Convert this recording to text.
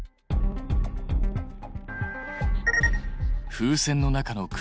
風船の中の空気。